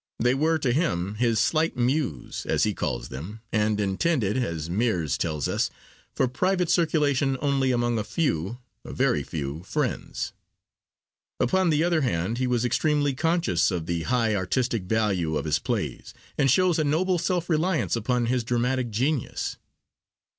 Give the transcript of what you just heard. They were to him his 'slight Muse,' as he calls them, and intended, as Meres tells us, for private circulation only among a few, a very few, friends. Upon the other hand he was extremely conscious of the high artistic value of his plays, and shows a noble self reliance upon his dramatic genius.